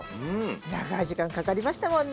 長い時間かかりましたもんね。